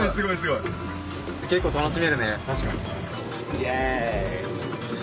イェーイ！